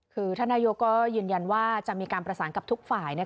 คือท่านนายกก็ยืนยันว่าจะมีการประสานกับทุกฝ่าย